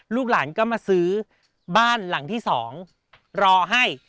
ลูกหลานก็มาซื้อบ้านหลังที่๒รอให้